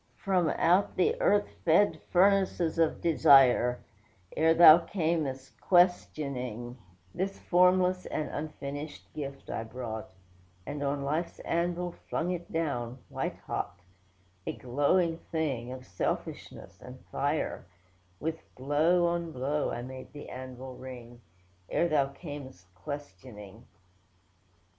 'From out the earth fed furnaces of desire, (Ere Thou cam'st questioning,) This formless and unfinished gift I brought, And on life's anvil flung it down, white hot: A glowing thing, of selfishness and fire, With blow on blow, I made the anvil ring; (Ere Thou cam'st questioning).